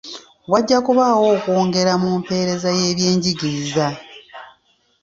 Wajja kubaawo okwongera mu mpeereza y'ebyenjigiriza.